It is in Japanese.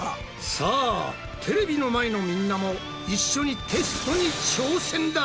さあテレビの前のみんなも一緒にテストに挑戦だ。